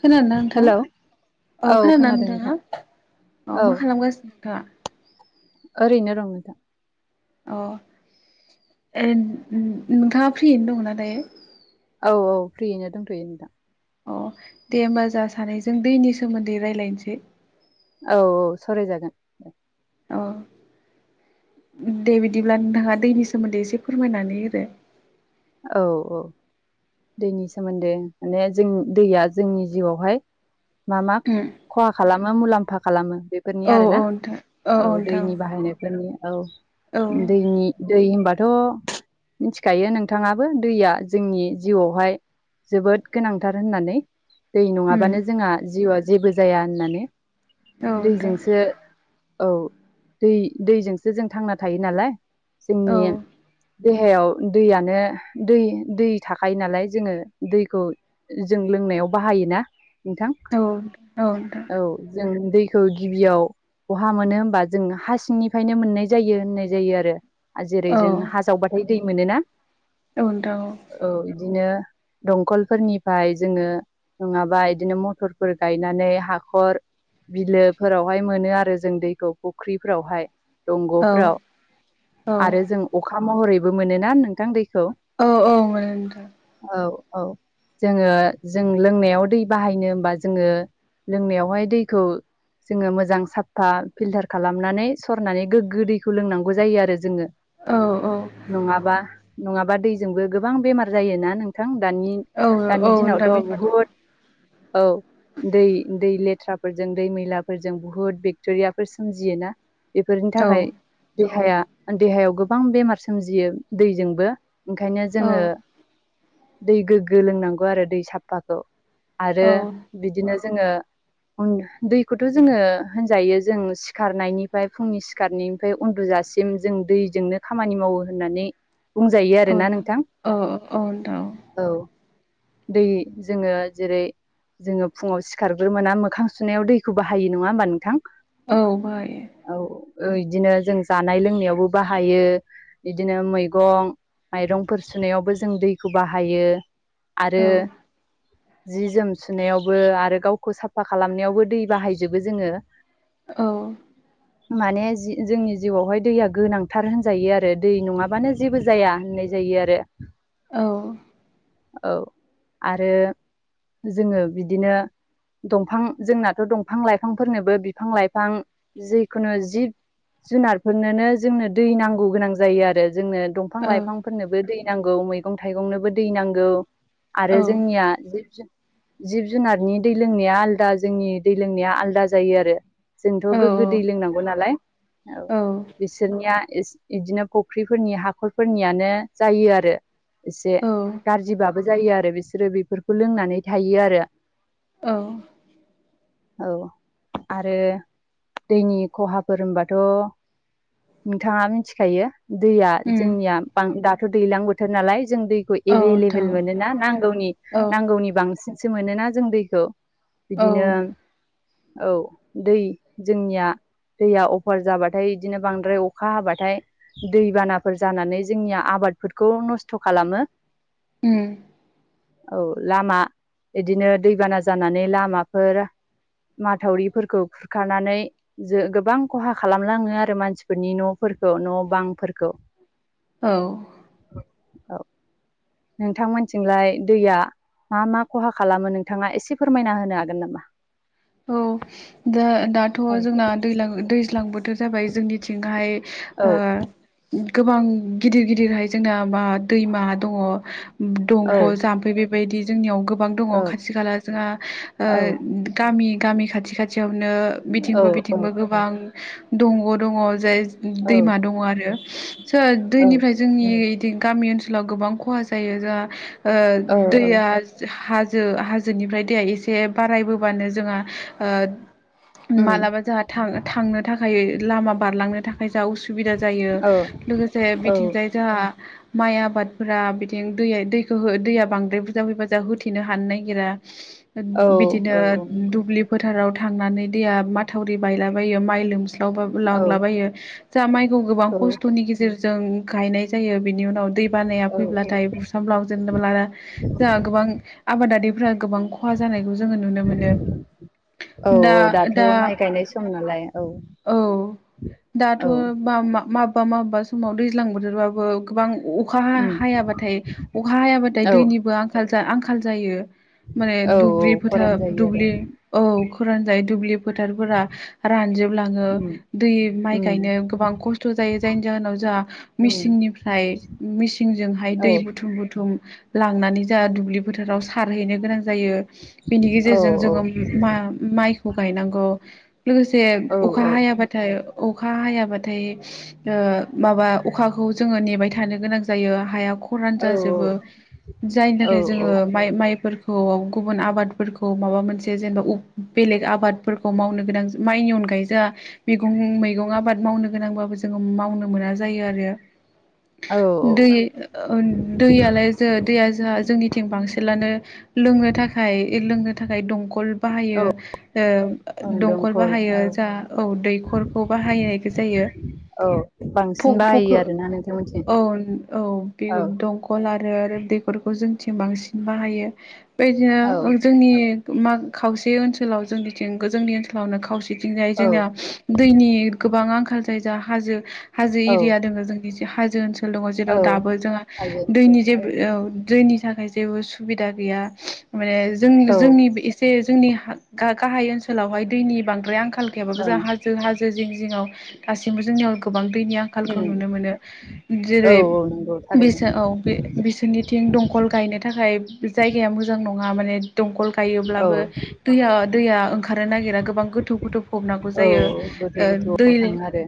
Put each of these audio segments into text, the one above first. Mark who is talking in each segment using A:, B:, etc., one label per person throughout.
A: खोनादोंना नोंथां
B: हेलौ
A: औ खोनादोंना
B: खोनादों नोंथां
A: नोंथाङा अ
B: औ
A: मा खालामगासिनो नोंथाङा?
B: ओरैनो दंङ दा।
A: अ नोंथाङा फ्रियैनो दंना दायो।
B: औ औ फ्रियैनो दंथ'यो नोंथां।
A: अ दे होमबा जा सानै जों दैनि सोमोन्दै रायलायनोसै।
B: औ औ सावरायजागोन।
A: अ दे बिदिब्ला नोंथाङा दैनि सोमोन्दै एसे फोरमायनानै होदो।
B: औ औ दैनि सोमोन्दै ओं माने जों दैया जोंनि जिउआवहाय मा मा खहा खालामो मुलाम्फा खालामो बेफोरनि
A: औ
B: आरोना
A: औ
B: औ
A: नोंथां
B: दैनि बाहायनाय। नि औ
A: औ नोंथां
B: दैनि दै होनबाथ' मिथिखायो नों थाङाबो दैया जोंनि जिउआवहाय जोबोद गोनांथार होननानै। दै नङाबानो जोंहा जिउआ जेबो जाया होननानै।
A: औ उम औ नोंथां
B: दैजोंसो औ दै दैजोंसो जों थांना थायो नालाय। जोंनि
A: औ
B: देहायाव दैयानो दै दै थाखायो नालाय जोङो दैखौ जों लोंनायाव बाहायो ना नोंथां।
A: औ औ नोंथां।
B: औ जों दैखौ गिबियाव बहा मोनो होमबा जों हा सिंनिफ्रायनो मोननाय जायो होननाय जायो आरो। जेरै
A: औ
B: जों हा जावबाथाय दै मोनोना।
A: औ नोंथां औ
B: औ बिदिनो दंखलफोरनिफ्राय जोङो। नङाबा इदिनो मथरफोर गायनानै हाखर। बिलोफोरावहाय मोनो आरो जों दैखौ फुख्रिफोरहाय।
A: औ
B: दंगफ्राव
A: औ
B: आरो जों अखा महरैबो मोनोना दै
A: औ औ मोनो नोंथां।
B: औ औ जोङो जों लोंनायाव दै बाहायनो होमबा जोङो लोंनायावहाय दैखौ। जोङो मोजां साफा फिल्टार खालामनानै सरनानै गोग्गो दैखौ लोंनांगौ जायो आरो जोङो।
A: औ औ
B: नङाबा नङाबा दैजोंबो गोबां बेमार जायोना नोंथां दानि
A: औ
B: दानि
A: औ
B: दिनावथ
A: नोंथां बे
B: बहुद औ। दै दै लेथ्राफोरजों दै मैलाफोरजों बुहुत बेक्टेरियाफोर सोमजियो ना। बेफोरनि
A: औ
B: थाखाय देहाया देहायाव गोबां बेमार सोमजियो दैजोंबो। ओंखायनो जोङो दै गोग्गो लोंनांगौ आरो दै साफाखौ। आरो
A: औ
B: बिदिनो जोङो। दैखौथ जोङो होनजायो जों सिखारनायनिफ्राय फुंनि सिखारनिफ्राय उन्दुजासिम जों दैजोंनो खामानि मावो होननानै। बुंजायो
A: औ
B: आरो ना नोंथां
A: औ नोंथां
B: औ। दै जोङो जेरै। जोङो फुङाव सिखारग्रोना मोखां सुनायाव दैखौ बाहायो नङा होमबा नोंथां।
A: औ बाहायो
B: औ इदिनो जों जानाय लोंनायावबो बाहायो बिदिनो मै मैगं माइरंफोर सुनायावबो जों दैखौ बाहायो। आरो
A: औ
B: जि जोम सुनायावबो आरो गावखौ साफा खालामनायावबो दै बाहायजोबो जोङो।
A: औ
B: माने जोंनि जिउआवहाय दैया गोनांथार होनजायो आरो दै नङाबानो जेबो जाया होननाय जायो आरो।
A: औ
B: औ आरो जोङो बिदिनो दंफां जोंनाथ दंफां लाइफांफोरनोबो बिफां लाइफां जिखुनु जिब जुनारफोरनोनो जोंनो दै नांगौ गोनां जायो आरो जोंनो। दंफां
A: औ
B: लाइफांफोरनोबो दै नांगौ मैगं थाइगंनोबो दै नांगौ। आरो
A: औ
B: जोंनिया जिब जिब जुनारनि दै लोंनाया आलदा जोंनि दै लोंनाया आलदा जायो आरो। जोंथ गोग्गो
A: औ
B: दै लोंनांगौ नालाय औ बिसोरनिया इदिनो फुख्रिफोरनि हाखरफोरनियानो जायो आरो एसे
A: औ
B: गाज्रिबाब जायोआरो बिसोरो बेफोरखौ लोंनानै थायोआरो।
A: औ
B: औ आरो दैनि खहाफोर होनबाथ नोंथाङा मिथिखायो दैया
A: उम
B: जोंनिया बां दाथ दैलां बोथोर नालाय जों दै।
A: औ नोंथां
B: एभेलेबेल मोनोना नांगौनि
A: औ
B: नांगौनि बांसिनसो मोनोना जों दैखौ।
A: औ
B: बिदिनो औ दै जोंनिया। दैया अफार जाबाथाय बिदिनो बांद्राय अखा हाबाथाय दै बाना। फोर जानानै जोंनिया आबादफोरखौ नस्थ' खालामो।
A: उम!
B: औ लामा बिदिनो दैबाना जानानै लामाफोर माथावरिफोरखौ खुरखानानै जो गोबां खहा खालामलाङो आरो मानसिफोरनि न'फोरखौ न' बांफोरखौ
A: औ-
B: औ
A: [inaudible]
B: नोंथांमोनथिंलाय दैया मा मा खहा खालामो नोंथाङा एसे फोरमायना होनो हागोन नामा?
A: औ द दाथ'
B: औ
A: जोंना दैलां दैज्लां बोथोर जाबाय जोंनिथिंहाय ओ
B: औ
A: गोबां गिदिर गिदिरहाय जोंना मा दैमा दङ
B: औ
A: दंग' जाम्फै बेबायदि जोंनियाव गोबां दङ
B: औ
A: खाथि खाला जोंहा
B: औ
A: ओ गामि गामि खाथि खाथियावनो
B: औ
A: बिथिंबो बिथिंबो गोबां दंग' दङ जाय
B: औ
A: दैमा दङ आरो सो
B: औ
A: दैनिफ्राय जोंनि बिदि गामि ओनसोलाव गोबां खहा जायो जोंहा ओ
B: औ
A: दैया हाजो हाजोनिफ्राय दैया एसे बारायबो बानो जोंहा ओ
B: उम
A: मालाबा जोंहा थां थांनो थाखाय लामा बारलांनो थाखाय जोंहा उसुबिदा जायो
B: औ
A: लोगोसे
B: औ
A: बिथिंजाय जोहा माइ आबादफोरा बिदिं दैया दैखौ दैया बांद्राय बुरजा फैबा जाहा होथेनो हानो नागिरा
B: औ
A: बिदिनो दुब्लि फोथाराव थांनानै दैया माथावरि बायलाबायो माइ लोमसा वबाबो
B: औ
A: लांलाबायो जोहा माइखौ गोबां
B: औ
A: खस्थ'नि गेजेरजों जों गायनाय जायो बिनि उनाव दै बानाया
B: औ
A: फैब्लाथाय बुस्रामब्लाव जोबब्लानो जोंहा गोबां आबादारिफोरा गोबां ख खहा जानायखौ जोङो नुनो मोनो।
B: औ
A: दा
B: औ दाथ' माइ
A: दा
B: गायनाय सम नालाय औ
A: औ दाथ'
B: औ
A: म माबबा माबेबा समाव दैज्लां बोथोरबाबो गोबां अखा हा
B: उम
A: हायाबाथाय अखा हायाबाथाय
B: औ
A: दैनिबो आंखाल आंखाल जायो माने
B: औ
A: दुब्लि
B: खरान
A: फोथार
B: जायो आरो
A: दुब्लि औ खरान जायो दुब्लि फोथारफोरा रानजोबलाङो
B: उम
A: दै माइ
B: उम
A: गायनो गोबां खस्थ' जायो जायनि जाहोनाव जोंहा
B: उम
A: मिसिननिफ्राय मिसिनजोंहाय दै
B: औ
A: बुथुम बुथुम लांनानै जाहा दुब्लि फोथाराव सारहैनो गोनां जायो। बेनि
B: औ
A: गेजेरजों जोङो मा माइखौ गायनांगौ लोगोसे
B: औ
A: अखा हाया हायाबाथाय अखा हायाबाथाय ओ माबा अखाखौ जोङो नेबाय थानो गोनां जायो हाया ख रान
B: औ
A: जाजोबो जायनि
B: औ
A: थाखाय जोङो माइ माइफोर खौ गुबुन आबादफोरखौ माबा मोनसे जेनेबा बेलेग आबादफोरखौ मावनो गोनां माइनि अनगायै जा मैगं मैगं आबाद मावनो गोनांबाबो जोङो मावनो मोना जायो आरो
B: औ
A: दै दैयालाय जो दैया जोंहा जोंनिथिं बांसिनलानो लोंनो थाखाय लोंनो थाखाय दंखल
B: औ
A: बाहायो ओ
B: औ
A: दंखल बाहायो
B: औ
A: जाहा औ दैखरखौ बाहायो इखौ जायो
B: औ बांसिन
A: फग फखो
B: बाहायो आरोना नोंथांमोनथिं
A: औ औ बे
B: औ
A: दंखल आरो बेगरखौ जोंथिं बांसिन बाहायो
B: औ
A: बेदिनो जोंनि मा खावसे ओनसोलाव जोंनिथिं जोंनि ओनसोलावनो खावसेथिंजाय
B: औ
A: जोंनिना दैनि गोबां आंखाल जायजा हाजो हाजो
B: औ
A: दङो जोंनि ज हाजो ओनसोल ओ दङ जेराव
B: औ
A: दाबो जोंहा
B: हाजो ओनसोल
A: दैनि जे औ जोंनि थाखाय जेबो सुबिदा गैया माने जों
B: औ ओं
A: जोंनि जे जोंनि गा-गाहाय ओनसोलावहाय दैनि बांद्राय आंखाल गैयाबाबो जोंहा हाजो हाजो जिं जिङाव गासैबो जोंनियाव गोबां दैनिया आं खालखौ
B: उम
A: नुनो मोनो
B: औ
A: जेरै
B: औ नंगौ थारैनो
A: बिसो- औ बिसोरनिथिं दंखल गायनो थाखाय जायगाया मोजां नङा माने दंखल
B: औ
A: गायोब्लाबो दैया दैया ओंखारनो नागिरा गोबां गोथौ गोथौ नांगौ
B: औ
A: जायो
B: गोथौ
A: ओ दै
B: गोथौआव थाङो आरो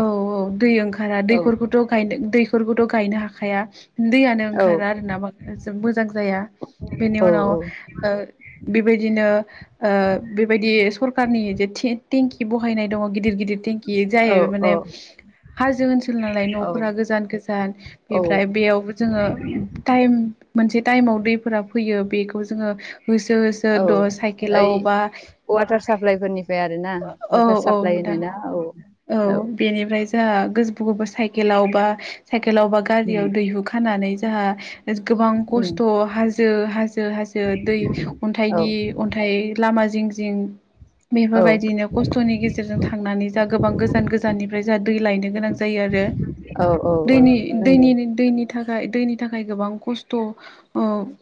A: औ औ दै ओंखारा दै
B: औ
A: फोरखौ थ' गायनो दैफोरखौथ' गायनो हाखाया दैयानो
B: औ
A: ओंखारा आरो ना [unintelligible] मोजां जाया बेनि
B: औ
A: उनाव ओ बेबायदिनो ओ बेबायदि सरखारनि जे थि टेंकि बहायनाय दङ गिदिर गिदिर टेंकि
B: औ
A: जाय
B: औ
A: माने हाजो ओन सोल नालाय न'फोरा गोजान गोजान
B: औ
A: बेनिफ्राय बेयावबो जोङो टाइम मोनसे टाइमाव दैफोरा फैयो बेखौ जोङो होसो होसो
B: औ
A: द
B: ओइ
A: साइकेलाव बा
B: वाटार साप्लाइ फोरनिफ्राय आरो ना
A: औ
B: वाटार
A: औ
B: साप्लाइ
A: नोंथां
B: होनोना औ औ
A: बेनिफ्राय जोंहा गोस- गो- साइकेलावबा साइकेलाव बा
B: उम
A: गारियाव दैहु खानानै जोंहा गोबां
B: उम
A: खस्थ' हाजो हाजो हाजो दै
B: औ
A: अन्थाइनि अन्थाइ लामा जिं जिं
B: औ
A: बेफोरबायदिनो खस्थ'नि गेजेरजों थांनानै जों गोबां गोजान गोजाननिफ्राय जा दै लायनो गोनां जायो आरो।
B: औ औ औ
A: दैनि
B: नंगौ
A: दैनिनि दै नि थाखाय दैनि थाखाय गोबां खस्थ'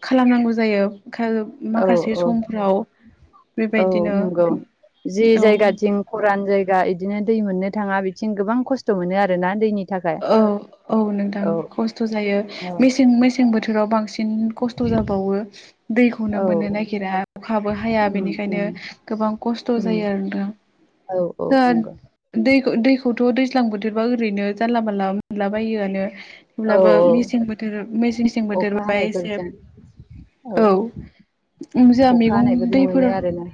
A: खालामनांगौ जायो
B: औ
A: माखासे
B: औ
A: समफ्राव
B: औ
A: बेबायदिनो
B: नंगौ जि
A: औ
B: जायगाथिं खरान जायगा बिदिनो दै मोननो थाङा बिथिं गोबां खस्थ' मोनो आरोना दैनि थाखाय
A: औ औ नोंथां
B: औ
A: खस्थ' जायो
B: औ
A: मेसें मेसें बोथोराव बांसिन बिन खस्थ' जाबावो दैखौनो
B: औ
A: मोननो नागिरा अखाबो हाया
B: उम
A: बेनिखायनो
B: उम
A: गोबां खस्थ'
B: उम
A: जायो आरो नोंथां।
B: औ औ नंगौ
A: दै दैखौथ' दैज्लां बोथोरबा ओरैनो जानला मानला मोनला बायोआनो
B: औ
A: अब्लाबो मेसें बोथोर मेसें सिं
B: अखा
A: बोथोर बा एसे
B: हानायफोरजों
A: औ जोंहा
B: अखा
A: मैगं
B: हानायफोरजों मोनो
A: दैफोर
B: आरोना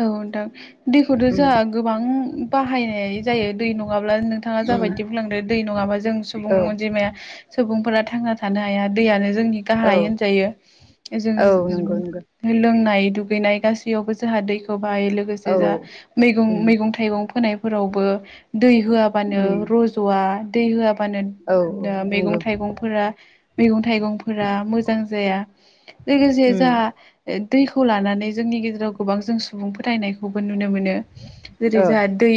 A: औ नोंथां दैखौथ'
B: उम
A: जोंहा गोबां बाहायनाय जायो दै नङाब्ला नोंथाङा
B: उम
A: जाबाय दै नङाबा जों सुबुं
B: औ
A: अनजिमाया सुबुंफोरा थांना थानो हाया दैयानो जोंनि
B: औ
A: गाहाय होनजायो जों
B: औ नंगौ नंगौ
A: लोंनाय दुगैनाय गासैयावबो जोंहा दैखौ बाहायो
B: औ
A: लोगोसे जोंहा मैगं
B: उम
A: मैगं मैगं फोनायफोरावबो दै होयाबानो
B: उम
A: र'जआ दै होआ मानो
B: औ औ
A: मैगं
B: नंगौ
A: थाइगंफोरा मैगं थाइगंफोरा मोजां जाया। लोगोसे
B: उम
A: जाहा दैखौ लानानै जोंनि गेजेराव गोबां जों सुबुं फोथायनायखौबो नुनो मोनो जेरै
B: ओ
A: जोंहा दै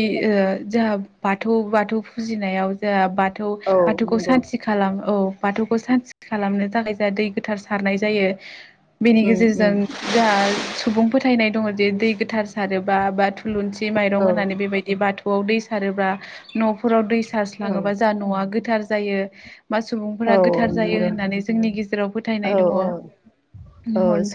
A: जोंहा बाथौ बाथौ फुजिनायाव जोंहा बाथौ
B: औ
A: बाथौखौ
B: नंगौ
A: सान्थि खालाम औ बाथौखौ सान्त खालामनो थाखाय जोंहा दै गोथार सारनाय जायो। बेनि
B: उम
A: गेजेरजों
B: उम
A: जोंहा सुबुं फोथायनाय दङ जे दै गोथार सारोबा बा थु थुलुुंसि माइरं
B: औ
A: होनानै बेबायदि बाथौआव दै सारोबा न'फोराव दै
B: औ
A: सारस्लाङोबा जा न'आ गोथार जायो। बा
B: औ
A: सुबुंफोरा गोथार जायो
B: नंगौ
A: होननानै जोंनि गेजेराव
B: औ
A: फोथायनाय दङ। हन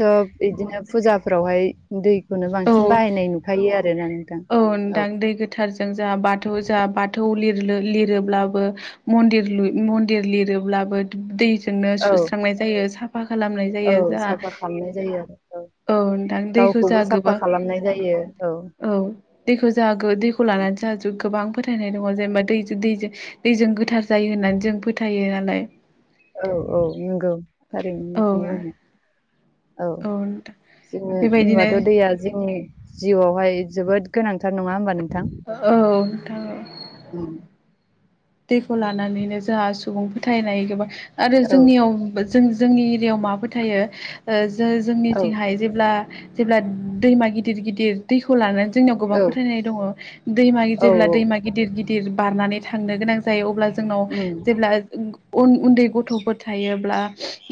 B: इदिनो फुजाफोरावहाय दैखौनो
A: औ
B: बांसिन बाहायनाय नुखायो आरोना नोंथां।
A: औ नोंथां दै गोथारजों जा बाथौ जा बाथौ लिर लिरोब्लाबो मन्दिर लुइ मन्दिर लिरोब्लाबो दैजोंनो
B: औ
A: सुस्रांनाय जायो साफा खालामनाय
B: औ
A: जायो जाहा।
B: साफा खालामनाय जायो आरो
A: औ नोंथां दैखौ
B: गावखौबो
A: जाहा
B: साफा
A: गोबां
B: खालामनाय जायो
A: औ दैखौ जाहा गो दैखौ लानानै जाहा जो गोबां फोथायनाय दङ जेनेबा दैजो दैजो दैजों गोथार जायो होननानै जों फोथायो नालाय।
B: औ औ नंगौ थारैनो
A: औ
B: नोंथां बुंनाया। औ
A: नोंथां
B: जोङो
A: बेबायदिनो
B: होनबाथ' दैया जोंनि जिउआवहाय जोबोद गोनांथार नङा होमबा नोंथां?
A: औ नोंथां औ।
B: ओम।
A: दैखौ लानानैनो जाहा सुबुं फोथायनाय गोबां आरो
B: औ
A: जोंनियाव बो जों जोंनि एरियायाव मा फोथायो ओ जो
B: औ
A: जोंनिथिंहाय जेब्ला जेब्ला दैमा गिदिर गिदिर दैखौ लानानै जोंनियाव गोबां
B: औ
A: फोथायनाय दङ दैमा
B: औ
A: गिदिरब्ला दैमा गिदिर गिदिर बारनानै थांनो गोनां जायो अब्ला जोंनाव
B: उम
A: जेब्ला गो उन उन्दै गथ'फोर थायोब्ला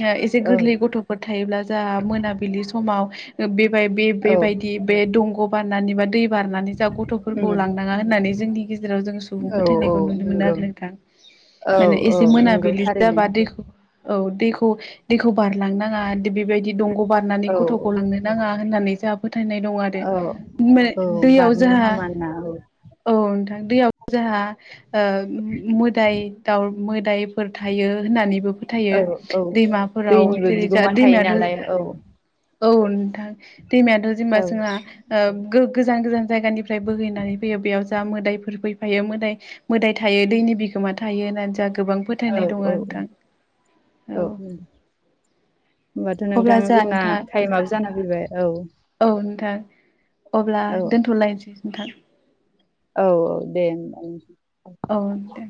A: ओ एसे
B: औ
A: गोरलै गथ'फोर थायोब्ला जाहा मोनाबिलि समाव ओ बेबाय
B: औ
A: बे-बेबायदि बे दंग' बारनानै बा दै बारनानै जा गथ'फोरखौ
B: उम
A: लांनाङा होननानै जोंनि गेजेराव जोङो सुबुं
B: औ औ
A: फोथायनायखौ नुयो। मोनो
B: नंगौ
A: आरो नोंथां
B: औ
A: माने
B: औ
A: एसे
B: नंगौ
A: मोनाबिलि
B: थारैनो
A: जाबा दैखौ औ दैखौ दैखौ बारलांनाङा बेबायदि दंग' बारनानै
B: औ औ
A: गथ'खौ लांनो नाङा होननानै जोंहा फोथायनाय दं आरो।
B: औ
A: मो
B: औ
A: दैयाव
B: बारनो
A: जोंहा
B: हामा होनना औ
A: औ नोंथां दैयाव जाहा ओ मोदाय दाउ मोदायफोर थायो होननानैबो फोथ थायो
B: औ औ
A: दैमाफोराव
B: दैनिबो
A: जेरै जा
B: बिगोमा थायो
A: दैमायाथ'
B: नालाय औ
A: औ नोंथां दैमायाथ' जेनेबा
B: औ
A: जोंहा ओ गो-गोजान गोजान जायगानिफ्राय बोहैनानै फैयो बेयाव जा मोदायफोर फैफायो मोदाय मोदाइ थायो दैनि बिगोमा थायो होननानै जाहा गोबां
B: औ
A: फोथायनाय दं
B: औ
A: आरो नोंथां
B: औ औ ओम। होमबाथ'
A: अब्ला
B: नोंथां
A: जोंहा
B: जोंना
A: नोंथां
B: टाइमाबो जानानै फैबाय औ।
A: औ नोंथां अब्ला
B: औ
A: दोनथ'लायसै नोंथां।
B: औ औ दे होमबा नोंथां।
A: औ दे।